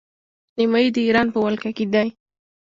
نیمايي د ایران په ولکه کې دی.